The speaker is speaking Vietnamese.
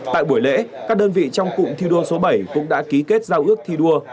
tại buổi lễ các đơn vị trong cụm thi đua số bảy cũng đã ký kết giao ước thi đua